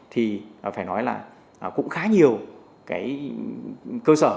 thì phải nói là cũng khá nhiều cái cơ sở